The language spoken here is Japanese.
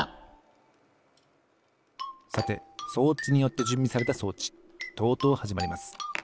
さて装置によってじゅんびされた装置とうとうはじまります。